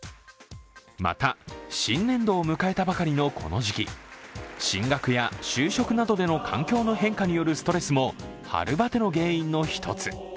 また、新年度を迎えたばかりのこの時期進学や就職などでの環境の変化によるストレスも春バテの原因の一つ。